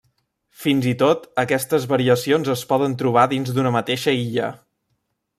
Fins i tot, aquestes variacions es poden trobar dins d'una mateixa illa.